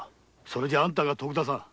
それじゃあんたが徳田さん！？